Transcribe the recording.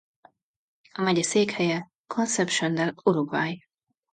A megye székhelye Concepción del Uruguay.